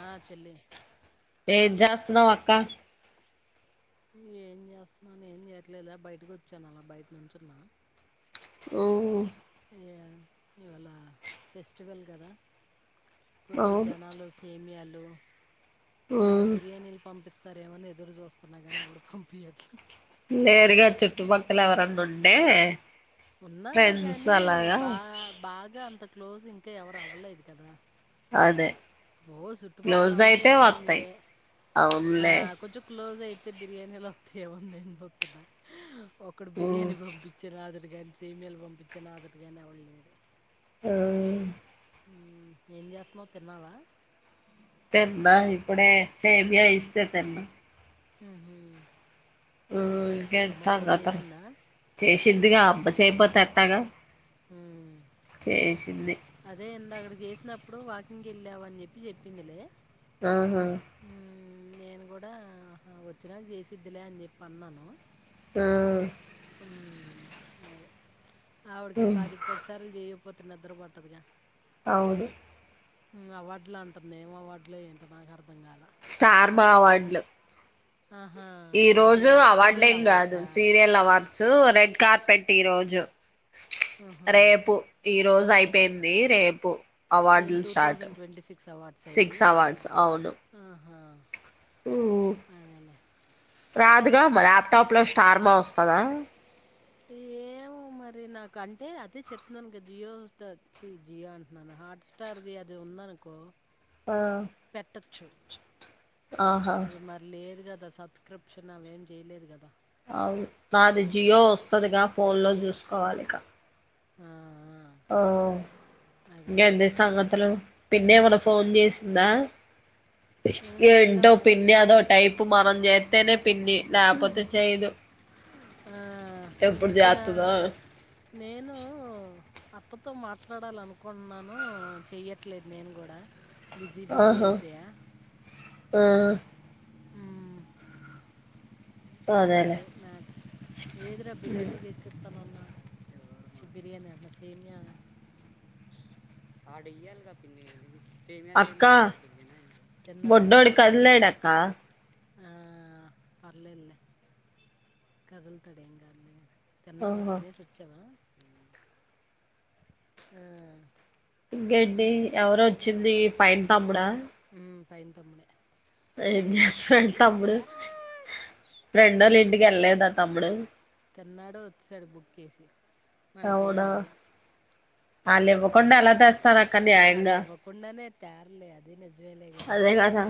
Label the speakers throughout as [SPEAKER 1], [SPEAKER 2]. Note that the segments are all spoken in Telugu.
[SPEAKER 1] ఆ చెల్లి
[SPEAKER 2] ఏం చేస్తున్నావ్ అక్క
[SPEAKER 1] ఏం చేస్తున్నాను ఏం చేయట్లేదుా బయటకి వచ్చాను అలా బయట నుంచున్నా
[SPEAKER 2] ఉమ్
[SPEAKER 1] ఇవాళ ఫెస్టివల్ గాదా కొంచెం
[SPEAKER 2] అవును
[SPEAKER 1] జనాల్లో సేమియాల డు ఏన్న
[SPEAKER 2] ఉమ్
[SPEAKER 1] బిర్యానీలు పంపిస్తా రేమన్నా ఎదురు చూస్తున్నా గాని ఎవడు పంపియట్లే
[SPEAKER 2] లేేరుగా చుట్టుపక్కల ఎవరన్నా ఉంటే
[SPEAKER 1] ఉన్నారు
[SPEAKER 2] ఫ్రెండ్స్
[SPEAKER 1] గాని
[SPEAKER 2] అలాగా
[SPEAKER 1] బా బాగా అంత క్లోజ్ ఇంకా ఎవరు అవ్వలేదు కదా
[SPEAKER 2] అదే
[SPEAKER 1] ఓ చుట్టుపక్కల
[SPEAKER 2] క్లోజ్
[SPEAKER 1] అందరూ
[SPEAKER 2] అయితే
[SPEAKER 1] ముస్లింలే
[SPEAKER 2] వత్తాయి
[SPEAKER 1] ఆ
[SPEAKER 2] అవునులే
[SPEAKER 1] కొంచెం క్లోజ్ అయి తే బిర్యానీలు వత్తాయి ఏమో అని నేను సుతున్న ఒక్కడు
[SPEAKER 2] ఉమ్
[SPEAKER 1] బిర్యానీ పంపించేరాదు రా గాని సేమియాలు పంపించే నాదుడుగానేవడలేడు
[SPEAKER 2] ఆ
[SPEAKER 1] హ్మ్మ్ ఏం చేస్తున్నావు తిన్నావా
[SPEAKER 2] తెన్నా ఇప్పుడే సేమియా ఇస్తే తీన్నా
[SPEAKER 1] ఉహు
[SPEAKER 2] ఇంకేంటి సాంగతులు
[SPEAKER 1] చేసిందా
[SPEAKER 2] చేసిందిగా అమ్మ చేయపోత తగా
[SPEAKER 1] హుమ్మ్
[SPEAKER 2] వేసింది
[SPEAKER 1] అదే ఇందాక చేసినప్పుడు వాకింగ్ వెళ్ళావు అని చెప్పి చెప్పిందిలే
[SPEAKER 2] ఆహా ఆ
[SPEAKER 1] ఉమ్, నేను కూడా వచ్చినాక చేసిద్లే అని చెప్పి అన్నాను
[SPEAKER 2] ఆ
[SPEAKER 1] ఆవిడికి
[SPEAKER 2] ఉమ్
[SPEAKER 1] పాదికి పది సార్లు చేయపో ఇనా నిద్ర పట్టదు గా
[SPEAKER 2] అవును
[SPEAKER 1] అవార్డులు అంటుంది నేం అవార్డులు ఏంట నాకు అర్
[SPEAKER 2] స్టార్ మా అవార్డ్లు
[SPEAKER 1] ఆహా
[SPEAKER 2] ఈ
[SPEAKER 1] స- అదే
[SPEAKER 2] రోజు
[SPEAKER 1] సీరియల్
[SPEAKER 2] అవార్డేం కాదు
[SPEAKER 1] అవార్డ్సా
[SPEAKER 2] సీరియల్ అవార్డ్స్ రెడ్ కార్పెట్ ఈ రోజు
[SPEAKER 1] ఆహా.
[SPEAKER 2] రేపు ఈ రోజు అయిపో బింది రేపు
[SPEAKER 1] ఏం
[SPEAKER 2] అవార్డులు
[SPEAKER 1] two
[SPEAKER 2] start
[SPEAKER 1] thousand twenty six awards ఇవి
[SPEAKER 2] సిక్స్
[SPEAKER 1] ఆహా
[SPEAKER 2] హుమ్మ్
[SPEAKER 1] అదేలే
[SPEAKER 2] రాదుగా మా లాప్టాప్లో స్టార్ మా వస్తాదా
[SPEAKER 1] ఏమో మరి నాకు అంటే అదే చెప్తున్నాను కదా జియో హోట్స్టార్ వచ్చి జియో అంటున్నాను హాట్స్టార్ది అది ఉందనుకో
[SPEAKER 2] ఆ
[SPEAKER 1] చ్చు
[SPEAKER 2] ఆహా
[SPEAKER 1] అది మరి లేదు కదా ద సబ్స్క్రిప్షన్ అవేం చేయలేదు కదా
[SPEAKER 2] అవును నాది జియో వస్తుందిగా ఫోన్ లో చూసుకోవాలిక
[SPEAKER 1] ఆ ఆ. అదే
[SPEAKER 2] ఇంకేంది సంగతులు పిన్ని ఏమన్నా ఫోన్ చేసిందా
[SPEAKER 1] ఏం చేయలే
[SPEAKER 2] ఏంటో
[SPEAKER 1] మరి
[SPEAKER 2] పిన్ని అదో టైపు మనం చే తేనెప్ పిన్ని నాపోతే చేయదు
[SPEAKER 1] ఈ
[SPEAKER 2] ఎప్పుడు
[SPEAKER 1] మధ్యన
[SPEAKER 2] చేత్తదో
[SPEAKER 1] నేను అత్తతో మాట్లాడాలనుకుంటున్నాను చెయ్యట్లేదు నేను కూడా బిజీ బిజీ
[SPEAKER 2] ఆహా
[SPEAKER 1] అయిపోయా
[SPEAKER 2] ఆ అదేలే
[SPEAKER 1] అదే మ్యాక్స్ ఏదిరా బిర్యానీదేచిస్తాను అన్నావు చ్చి బిర్యానీ అంటున్న సేమియా
[SPEAKER 2] అక్క
[SPEAKER 1] తిన్నావా
[SPEAKER 2] బొడ్డోడు కదిలాడక్క
[SPEAKER 1] అఆ పర్లేదులే కదుల్తాడు ఏం కాదులే కానీ తిన్నావా
[SPEAKER 2] ఆహా
[SPEAKER 1] తినేసి వచ్చావా ఆ
[SPEAKER 2] గడ్డి ఎవరు వచ్చింది పైన తమ్ముడా
[SPEAKER 1] ఉ పైన తమ్ముడే
[SPEAKER 2] ఏం చేస్తాడు తమ్ముడు ఫ్రెండోళ్ళ ఇంటికి వెళ్లేదా తమ్ముడు
[SPEAKER 1] తిన్నాడు వచ్చేశాడు బుక్ ఏసీ మనకు ఏం తేలా
[SPEAKER 2] ఆ లేవ్ కొండ ఎలా తెస్తాడు అక్క మీ ఆయన్
[SPEAKER 1] తేరులే అద్
[SPEAKER 2] అదే కదా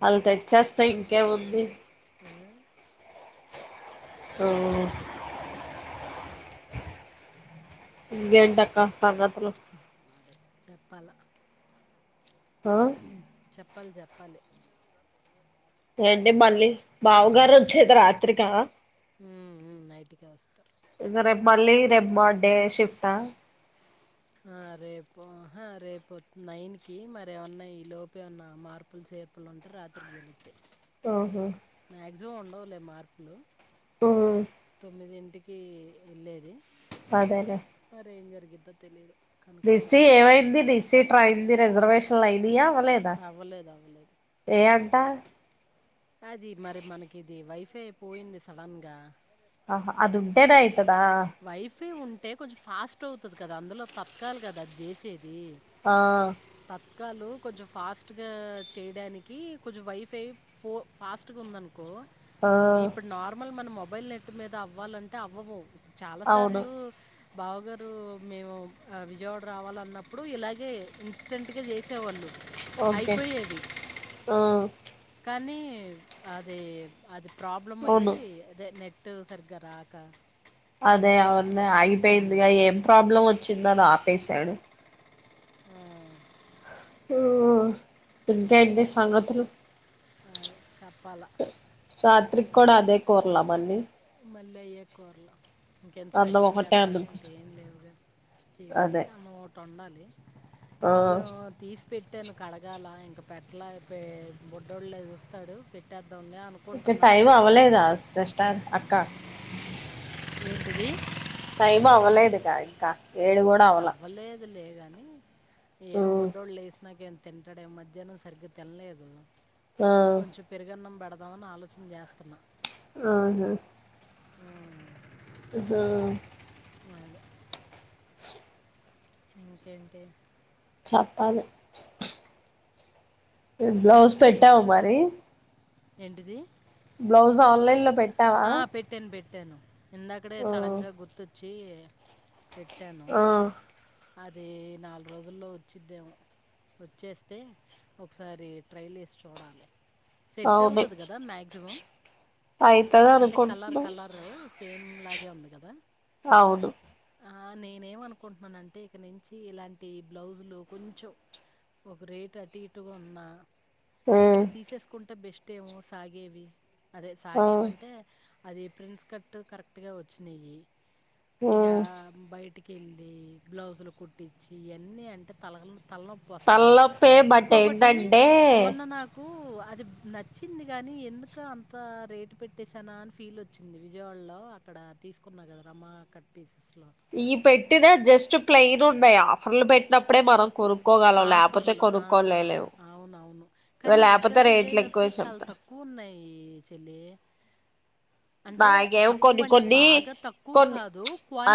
[SPEAKER 2] వాళ్ళు తెచ్చేస్తా ఇంకేముంది
[SPEAKER 1] ఆ,
[SPEAKER 2] హ్ ఇంకేంటి అక్క సంగతులు
[SPEAKER 1] చెప్పాలా
[SPEAKER 2] ఆ
[SPEAKER 1] చెప్పాలి జెప్పాలి
[SPEAKER 2] ఏంటే మళ్ళీ బావగారు వచ్చేది రాత్రిక
[SPEAKER 1] ఉ ఉ నైట్ కే వస్తారు
[SPEAKER 2] ఇగ రేపు మళ్ళీ రేపు బర్త్డే షిఫ్ట్ ఆ
[SPEAKER 1] ఆ రేపు ఆహా రేపు నైన్ కి మరి ఏమన్నా ఈ లోపు ఏమన్నా మార్పులు చేర్పులు ఉంటే రాత్రికి వెలుగుతాయి
[SPEAKER 2] ఆహా
[SPEAKER 1] మాక్సిమం ఉండవులే మార్పులు
[SPEAKER 2] ఉమ్
[SPEAKER 1] తొమ్మిది ఇన్ కి వెళ్ళేది
[SPEAKER 2] అదేలే
[SPEAKER 1] ఇద్ధ తెలిదు
[SPEAKER 2] నిస్సీ ఏమైంది నిస్సీ ట్రైందు ది రిజర్వేషన్లు ఐడియా ఓ లేదా
[SPEAKER 1] అవ్వలేదు అవ్వలేదు
[SPEAKER 2] ఏయన్ టా
[SPEAKER 1] అది మరి మనకి ఇది వైఫ్ తే పోయింది సలన్ గా
[SPEAKER 2] ఆహా అది ఉంటేదయత్
[SPEAKER 1] వైఫే ఉం అంటే కొంచెం ఫాస్ట్ అవుతది కదా అందులో పతకాలు కదా అది చేసేది
[SPEAKER 2] ఆ
[SPEAKER 1] గాలు కొంచెం ఫాస్ట్ గా చేయడానికి కొంచెం వైఫై ఫో ఫాస్ట్ గా ఉంది అనుకో
[SPEAKER 2] ఆ
[SPEAKER 1] ఈ ఇప్పుడు నార్మల్ మనమో మొబైల్ నెట్ మీద అవ్వాలంటే అవ్వవు చాలా
[SPEAKER 2] అవును
[SPEAKER 1] సార్లు బావగారు మేము విజయవాడ రావాల అన్నప్పుడు ఇలాగే ఇన్స్టెంట్ గా చేసి తేవాళ్ళు
[SPEAKER 2] ఓకే
[SPEAKER 1] అయిపోయేది
[SPEAKER 2] ఆ
[SPEAKER 1] కానీ అదే అదు ప్రాబ్లమ్
[SPEAKER 2] అవును
[SPEAKER 1] అయ్యి అదే నెట్ టు సరిగ్గా రాక
[SPEAKER 2] అదే అవున్న
[SPEAKER 1] ఉమ్,
[SPEAKER 2] అగిపోయింది గా ఏం ప్రాబ్లం వొత్ చిన్ననా ఆపేసడు
[SPEAKER 1] ఆ
[SPEAKER 2] తువా ఇంకేంటి సంగతులు
[SPEAKER 1] ఆయి కప్పు
[SPEAKER 2] రాత్రిక్ కోడా దే కోర్లా మళ్ళీ
[SPEAKER 1] మల్లయ్య కోర్ లా ఇంకేంది
[SPEAKER 2] అన్నం
[SPEAKER 1] స్పెషల్
[SPEAKER 2] ఒకటే
[SPEAKER 1] చేస్తామ
[SPEAKER 2] అనుకుంట
[SPEAKER 1] ఎంటి ఏం లేవుగా
[SPEAKER 2] అదే
[SPEAKER 1] చేయడానికి అన్నం వోటి వంట వండాలి.
[SPEAKER 2] ఆ
[SPEAKER 1] బియ్యం తీసి పెట్టాను కడగాల ఇంకా పెట్టలా పె బుడ్డోడు లేగుస్తాడు పెట్టె
[SPEAKER 2] ఇంకా టైం అవలేదా అస్సలు న్ అక్కా
[SPEAKER 1] ఎంటిది?
[SPEAKER 2] టైం అవ్వలేదుగా ఇంకా. ఏడు కూడా అవలా.
[SPEAKER 1] దు లేగానీ ఏం బుడ్డోడు లేసి నాకేం తింటాడేమో మధ్యాహ్నం సరిగ్గా తినలేదు.
[SPEAKER 2] ఆ
[SPEAKER 1] కొంచెం పెరుగన్నం బెడ దామని ఆలోచన చేస్తున్నా.
[SPEAKER 2] ఆహా ఆహా
[SPEAKER 1] అదే ఇంకేంటి
[SPEAKER 2] చప్పాలి ఒకే బ్లౌజ్ పెట్టావు మరి.
[SPEAKER 1] ఏంటిది?
[SPEAKER 2] బ్లౌజ్ ఆన్లైన్ లో పెట్
[SPEAKER 1] ఆ పెట్టాను పెట్ పేట్టాను. ఇందాకడే
[SPEAKER 2] ఆ
[SPEAKER 1] సడన్ గా గుర్తొ చ్చి పెట్ ట్టాను.
[SPEAKER 2] ఆ
[SPEAKER 1] అది నాలుగు రోజుల్లో వచ్చిద్దేమో వచ్చేస్తే ఒకసారి ట్రైల్ ఎసి చూడాలి. సెట్
[SPEAKER 2] అవుంది
[SPEAKER 1] అవుతుంది
[SPEAKER 2] అయి
[SPEAKER 1] ఛ్ అంటే కలర్ కలర్ సేమ్ అలాగే ఉంది కదా.
[SPEAKER 2] అవును.
[SPEAKER 1] ఆ నేనేమనుకుంటున్నాను అంటే ఇక్కడ నుంచి ఇలాంటి బ్లౌజులు కొంచెం ఒక రేటు అటు ఇటుగా ఉన్నా
[SPEAKER 2] ఆ
[SPEAKER 1] ఇట్లా తీసేసుకుంటే బెస్ట్. టేమో సాగేవి. అదే
[SPEAKER 2] ఆ
[SPEAKER 1] సాగేవి అం అది ప్రింస్ కట్టు కరెక్ట్ గా వచ్చినయి
[SPEAKER 2] ఆ
[SPEAKER 1] ఇగ బయటి కెళ్ళి బ్లౌజులు కుట్టించి ఇయన్నీ అంటే తలలను తలనొప్పి వస్తుందినాక్,
[SPEAKER 2] తలనొప్పే బట్
[SPEAKER 1] ఇంకొకటి
[SPEAKER 2] ఏంటంటే
[SPEAKER 1] మొన్న నాకు కు అది నచ్చింది గానీ ఎందుక అంత రేటు పెట్ తెసనా అని ఫీల్ వచ్చింది విజయవాడలో అక్కడ తీసుకున్నా కద రమా కట్ పీసెస్ లో
[SPEAKER 2] ఈ పెట్టినా జస్ట్ ప్లెయిన్ ఉన్నయ్ ఆఫర్లు పెట్టినప్పుడే మనం కొను
[SPEAKER 1] ఆఫర్లో ఆ అవునవును కానీ ఉషా
[SPEAKER 2] లేకపోతే రేట్లు
[SPEAKER 1] డిజైనర్స్
[SPEAKER 2] ఎక్కువ
[SPEAKER 1] చాలా
[SPEAKER 2] చెప్తారు
[SPEAKER 1] తక్కువ ఉన్నాయి చెల్లి. అంటే
[SPEAKER 2] నాగేమో
[SPEAKER 1] తక్కువ
[SPEAKER 2] కొన్ని
[SPEAKER 1] అంటే
[SPEAKER 2] కొన్ని,
[SPEAKER 1] బాగా తక్కువ
[SPEAKER 2] కొన్ని
[SPEAKER 1] కాదు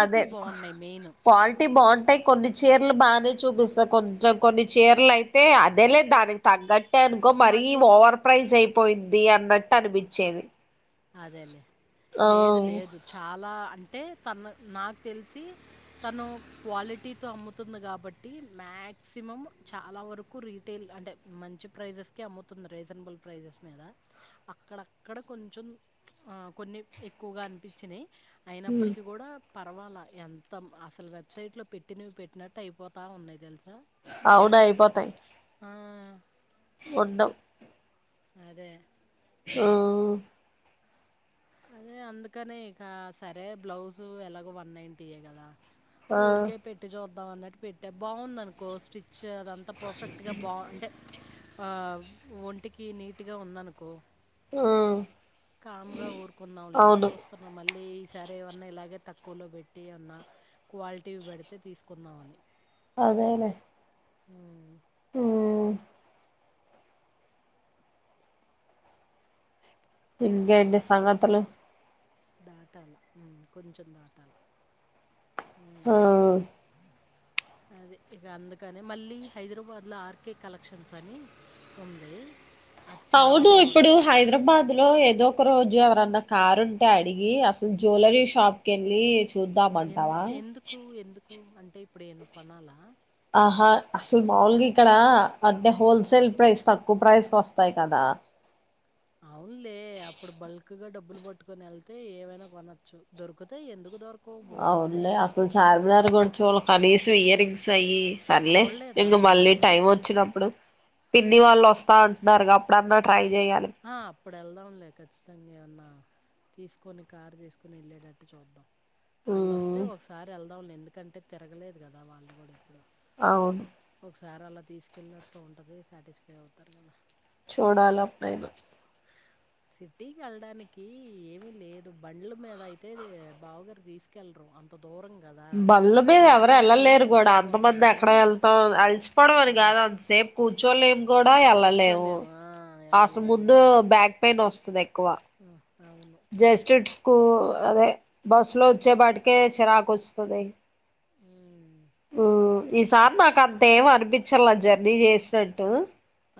[SPEAKER 2] అదే
[SPEAKER 1] బాగున్నాయి మెయిన్
[SPEAKER 2] క్వాలిటీ బాగుంటయ్ కొన్ని చీరలు బా చూపిస్తా కొంచెం కొన్ని చీరలయితే అదే లేదు దానికి తగ్గట్ టె అనుకో మరీ
[SPEAKER 1] మళ్ళీ
[SPEAKER 2] ఓవర్ ప్రైజ్ అయి పోయిద్ది అన్నట్టు అనిపించేది.
[SPEAKER 1] అదేలేే
[SPEAKER 2] ఆ
[SPEAKER 1] లేదు లేదు చాలా అంటే తన నాకు తెలుసు సి తను క్వాలిట్ టీతో అమ్ముతుంది కాబట్టి మ్యాక్సిమం చాలా వరకు రీటైల్ అంటే మంచి ప్రైజెస్కి అమ్ముతుంది రీజనబుల్ ప్రైజెస్ మీద, అక్కడక్కడ కొంచెం ఆ కొన్ని ఎక్కువగా అనిపించినయ్ అయినప్పటికీ గూడ పర్వాలా ఎంత అసలు వెబ్సైట్లో పెట్టినవి పెట్టినట్టు అయిపోతా ఉన్నాయి తెలుస
[SPEAKER 2] ఆవునయిపోతై
[SPEAKER 1] ఆ!
[SPEAKER 2] ఉండవ్
[SPEAKER 1] అదే
[SPEAKER 2] ఉమ్
[SPEAKER 1] అదే అందుకనే ఇక సరే బ్లౌజు ఎలాగో వన్ నైన్ యే కదా.
[SPEAKER 2] ఆ
[SPEAKER 1] ఊరికే పిట్ట జూత్ బావున్నట్టు పెట్టే బాగుందనుకో స్టిచ్ శ అదంతా పర్ఫెక్ట్గా బాగుంటే ఆ ఒంటికి నీట్గా ఉందనుకో
[SPEAKER 2] ఆ
[SPEAKER 1] కామ్గా ఊరుకున్నాంలే అని
[SPEAKER 2] అవును
[SPEAKER 1] చూస్తున్నాం మళ్ళీ ఈ సారి ఏమన్నా ఇలాగే తక్కువలో పెట్టి ఏన్నా క్వాలిటీ పెడితే తీసుకుందామని.
[SPEAKER 2] అదేలె
[SPEAKER 1] ఉమ్
[SPEAKER 2] ఉమ్ ఇంగెంటి సంఘతులు
[SPEAKER 1] దాటాలా ఉమ్ కొంచెం దాటాల
[SPEAKER 2] ఆ
[SPEAKER 1] అదే ఇక అందుకనే మళ్ళీ హైదరాబాద్లో ఆర్కే కలెక్షన్స్ అని ఉంది అది చాలా
[SPEAKER 2] అవును
[SPEAKER 1] బాగుంది
[SPEAKER 2] ఇప్పుడు హైదరాబాద్ లో ఏదో ఒక రోజు ఎవరన్నా కార్ ఉంటే అడిగి అప్పుడు జ్యువెలరీ షాప్ కీ వెళ్ళి చుద్దామంటవా
[SPEAKER 1] ఎందుకు ఎందుకు ఎందుకు అంటే ఇప్పుడు ఏన్న కొనాలా
[SPEAKER 2] ఆహా అసలు మాములుగా ఇక్కడ అంటే హోల్సేల్ ప్రైస్ తక్కువ ప్రైస్ కోస్తాయి కదా
[SPEAKER 1] అవునులే అప్పుడు బల్క్ గా డబ్బులు పట్టుకొని వెళ్తే ఏమైనా కొనొచ్చు దొరుకుతై ఎందుకు దొరక
[SPEAKER 2] అవులే అసల్ చార్మినార్ కొంచం కనీసం ఇయర్ రింగ్స్ అయ్యి సర్లే
[SPEAKER 1] చూడలేదా
[SPEAKER 2] ఇంకా
[SPEAKER 1] అసలు
[SPEAKER 2] మళ్ళీ
[SPEAKER 1] నువ్వు
[SPEAKER 2] టైం వచ్చినప్పుడు పిన్ని వాళ్ళు వస్తా అంటున్నారు కాప్పుడన్నా ట్రై చేయాలి
[SPEAKER 1] ఇప్పుడు వెళ్దాంలే ఖచ్చితంగా ఏమన్నా తీసుకొని కారు తీస్కుని వెళ్ళేటట్టు చూద్దాం ఆలోస్తే
[SPEAKER 2] ఉమ్,
[SPEAKER 1] ఒకసారి ఎల్ పోన్లే ఎందుకంటే తిరగలేదు కదా వాళ్ళు కూడా ఇప్పుడు
[SPEAKER 2] అవును
[SPEAKER 1] ఒకసారి అలా తీసుకెళ్ళినట్టు ఉంటుంది సాటిస్ఫై అవుతారు కదా
[SPEAKER 2] చూడాలి అప్పుడైనా
[SPEAKER 1] సిటీకి వెళ్డానికి ఏమి లేదు బండ్ల మీద అయితే బావగారు తీసుకెళ్లరు అంత దూరం కదా
[SPEAKER 2] బళ్ల మీద ఎవరు
[SPEAKER 1] జర్నీకి
[SPEAKER 2] వెళ్ళలేరు కూడా అంతమంది
[SPEAKER 1] అలసిపోతారని
[SPEAKER 2] ఎక్కడ వెళ్తాం అలిసిపోవడం అని
[SPEAKER 1] ఆ,
[SPEAKER 2] కాదు అంతసేపు కూర్చోలేం కూడా ఎళ్లాలేము
[SPEAKER 1] కూర్చోలేము ఆ,
[SPEAKER 2] అసలు
[SPEAKER 1] వెళ్ళలేము
[SPEAKER 2] ముందు బ్యాక్ పెయిన్ వస్తుంది ఎక్కువ
[SPEAKER 1] అవును
[SPEAKER 2] కొ అదే బస్ లో వచ్చే వాటికే చిరాకు వస్తు ఓవెన్
[SPEAKER 1] ఉమ్,
[SPEAKER 2] ఉమ్మ్ ఈసార్ నాక్ అంత ఏమ అనిపించాల జర్నీ చేసినట్టు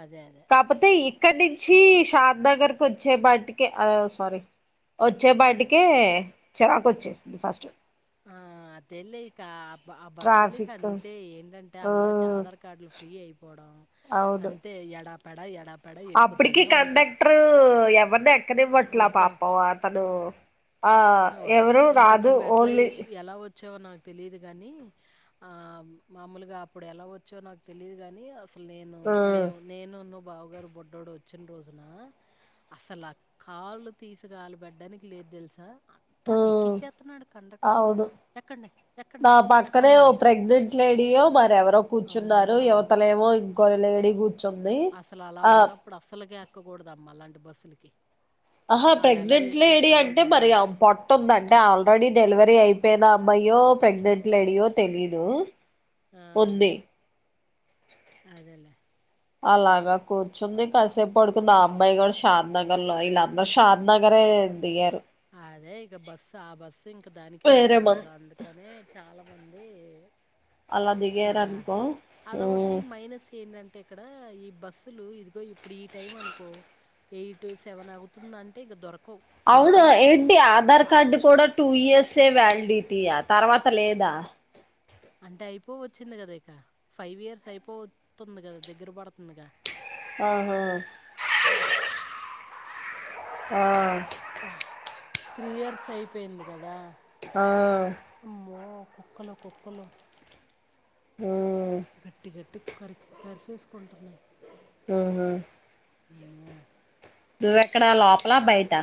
[SPEAKER 1] అదే అదే
[SPEAKER 2] కప్పుతే అక్కడ నుంచి షాద్ నగర్ కు వచ్చే బటికే అ సారీ వచ్చే బటికే చిరాకు వచ్చేసింది ఫస్ట్
[SPEAKER 1] తెల్లిక ఆ బస్సులీక
[SPEAKER 2] ట్రాఫిక్
[SPEAKER 1] అంతే అంటే
[SPEAKER 2] ఆ
[SPEAKER 1] అందరికీ ఆధార్ కార్డులు ఫ్రీ అయిపోవడం
[SPEAKER 2] అవును
[SPEAKER 1] అంతే యాడ పెడ యాడ
[SPEAKER 2] అప్పటికి కండక్టర్ ఎవరినీ ఎక్క నివ్వట్లా
[SPEAKER 1] వద్దా
[SPEAKER 2] పాపం అతను ఆ
[SPEAKER 1] ఓ!
[SPEAKER 2] ఎవరు
[SPEAKER 1] ఇంక
[SPEAKER 2] రాదు
[SPEAKER 1] నువ్వు ఎట్లా
[SPEAKER 2] ఓన్లీ
[SPEAKER 1] ఎక్ ఎలా వచ్చావో నాకు తెలిదు కాని ఆ మామూలుగా అప్పుడు ఎలా వచ్చావో నాకు తెలిదు కాని
[SPEAKER 2] ఆ
[SPEAKER 1] బావగారు బొడ్డోడు వచ్చిన రోజున అసలు ఆ కాళ్ళు తీసి కాళ్ళు పెట్టడానికి లేదు తెలుసా అంతా
[SPEAKER 2] ఉ
[SPEAKER 1] ఎక్కిచ్చేత్తన్నాడు కండక్టరు.
[SPEAKER 2] అవును
[SPEAKER 1] ఎక్కండి, ఎక్కండి,
[SPEAKER 2] నా పక్కనే ఓ
[SPEAKER 1] ఎక్కండంట.
[SPEAKER 2] ప్రెగ్నెంట్ లేడీయో మరెవరో కూర్చున్నారు
[SPEAKER 1] అమ్మో!
[SPEAKER 2] యువతలేమో ఇద్ లేడీ కు
[SPEAKER 1] అసలు అలా ఉన్నప్పుడు అసలకే ఎక్కకూడదు అమ్మ అలాం బస్సులకి
[SPEAKER 2] ఆహా
[SPEAKER 1] ఆళ్ళెలా
[SPEAKER 2] ప్రెగ్నెంట్ లేడీ
[SPEAKER 1] ఎక్కేత్తారో
[SPEAKER 2] అంటే మరి
[SPEAKER 1] గానీ.
[SPEAKER 2] పొట్ట ఉంది అంటే ఆల్రెడీ డెలివరీ అయిపో యినా అమ్మాయో ప్రెగ్నెంట్ లేడియో తెలీదు ఉంది
[SPEAKER 1] అదేలేే
[SPEAKER 2] అలాగా కూర్చుంది కాసేపు పడుకుంది ఆ అమ్మాయి షాద్ నగర్ లో వీళ్ళందరూ షాద్ నగరే దిగారు
[SPEAKER 1] అదే ఇక బస్సు ఆ బస్సు ఇంక దానికే
[SPEAKER 2] వేరే
[SPEAKER 1] పోతది
[SPEAKER 2] మం
[SPEAKER 1] కదా అందుకని చాలా మంది
[SPEAKER 2] అలా దిగారు
[SPEAKER 1] ఇక
[SPEAKER 2] అనుకో
[SPEAKER 1] అది ఒకటి మైనస్ ఏంటంటే అంటే ఇక్కడ ఈ బస్సులు ఇదిగో ఇప్పుడు ఈ టైం అనుకో ఎయిట్ సెవెన్ అవుతుందంటే ఇక దొరక కు ధోరుక్
[SPEAKER 2] అవును ఏంటి ఆధార్ కార్డు కూడా టూ ఇయర్స్ వే వ్యాలిడిటీయా తర్వాత లేదా
[SPEAKER 1] అంటే అయిపో వచ్చింది కదా ఇక ఫైవ్ ఇయర్స్ అయిపో వతుంది కదా దగ్గర పడుతుందిగా
[SPEAKER 2] ఆహా ఆ
[SPEAKER 1] త్రీ ఇయర్స్ అయిపోయింది కదా
[SPEAKER 2] ఆ
[SPEAKER 1] అమ్మో కుక్కలు కుక్కలు గట్టి గట్టి కరిక్ కరిసేసుకుంటన్నాయి
[SPEAKER 2] ఆహా
[SPEAKER 1] వామ్మో
[SPEAKER 2] నువ్వెక్కడ లోపల బయట